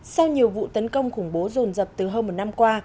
sau nhiều vụ tấn công khủng bố rồn rập từ hơn một năm qua